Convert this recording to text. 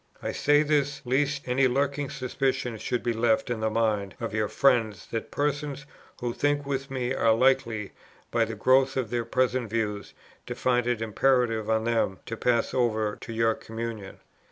"I say this lest any lurking suspicion should be left in the mind of your friends that persons who think with me are likely, by the growth of their present views, to find it imperative on them to pass over to your communion.